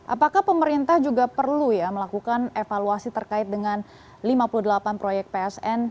apakah pemerintah juga perlu ya melakukan evaluasi terkait dengan lima puluh delapan proyek psn